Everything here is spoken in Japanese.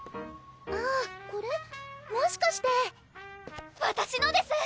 あぁこれもしかしてわたしのです！